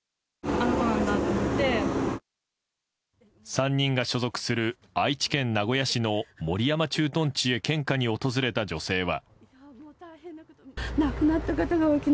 ３人が所属する愛知県名古屋市の守山駐屯地へ献花に訪れた女性は。